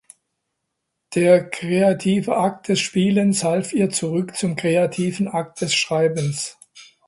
Der kreative Akt des Spielens half ihr zurück zum kreativen Akt des Schreibens.